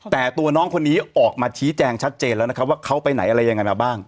แต่ตัวน้องคนนี้ออกมาชี้แจงชัดเจนแล้วนะครับว่าเขาไปไหนอะไรยังไงมาบ้าง